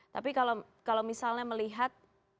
tapi kalau misalnya melihat